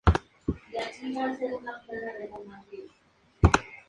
Estudió Letras en la Universidad Federal de Rio Grande do Sul.